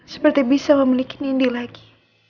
seperti bisa memiliki nindi lagi